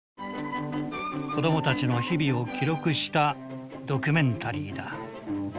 子どもたちの日々を記録したドキュメンタリーだ。